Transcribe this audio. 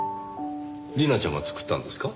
莉奈ちゃんが作ったんですか？